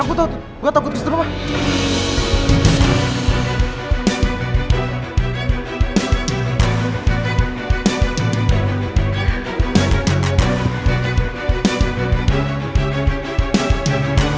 gue takut kesini dulu mah